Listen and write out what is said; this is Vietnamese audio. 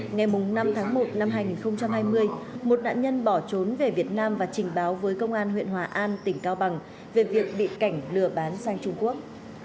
ngày năm tháng một năm hai nghìn hai mươi một nạn nhân bỏ trốn về việt nam và trình báo với công an huyện hòa an tỉnh cao bằng về việc bị cảnh lừa bán sang trung quốc